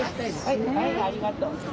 はいありがとう。